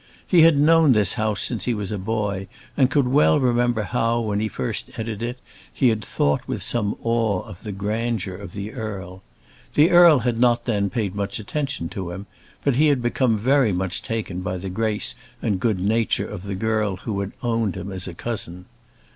He had known this house since he was a boy, and could well remember how, when he first entered it, he had thought with some awe of the grandeur of the Earl. The Earl had then not paid much attention to him, but he had become very much taken by the grace and good nature of the girl who had owned him as a cousin.